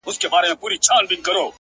• چی یوه بل ته خر وایی سره خاندي ,